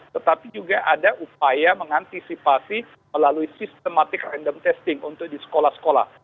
tetapi juga ada upaya mengantisipasi melalui sistematik random testing untuk di sekolah sekolah